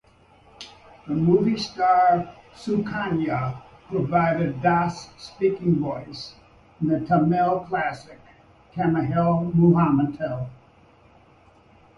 The movie star Sukanya provided Das' speaking voice in the Tamil classic "Kannathil Muthamittal".